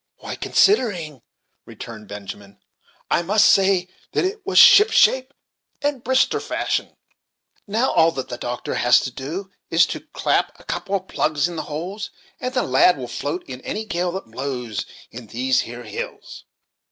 "Why, considering," returned Benjamin, "I must say that it was ship shape and Brister fashion. Now all that the doctor has to do, is to clap a couple of plugs in the holes, and the lad will float in any gale that blows in these here hills."